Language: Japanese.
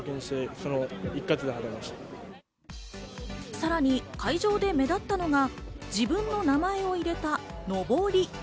さらに会場で目立ったのが自分の名前を入れたのぼり。